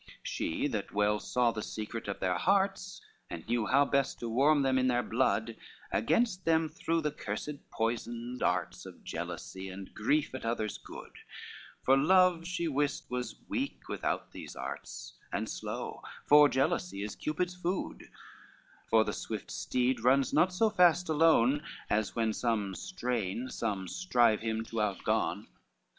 LXX She that well saw the secret of their hearts, And knew how best to warm them in their blood, Against them threw the cursed poisoned darts Of jealousy, and grief at others' good, For love she wist was weak without those arts, And slow; for jealousy is Cupid's food; For the swift steed runs not so fast alone, As when some strain, some strive him to outgone.